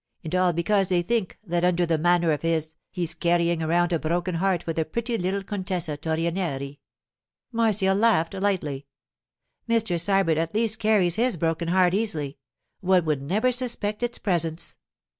And all because they think that under that manner of his he's carrying around a broken heart for the pretty little Contessa Torrenieri.' Marcia laughed lightly. 'Mr. Sybert at least carries his broken heart easily. One would never suspect its presence.